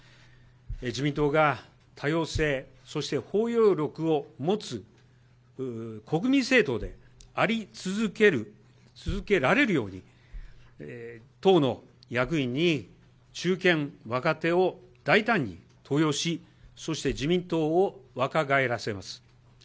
自民党が多様性、そして包容力を持つ国民政党であり続ける、続けられるように、党の役員に中堅、若手を大胆に登用し、そして自民党を若返らせます。